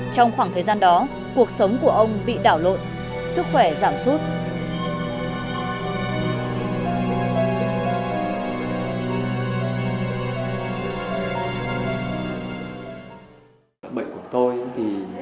trong khoảng thời gian đó cuộc sống của ông bị đảo lộn sức khỏe giảm sút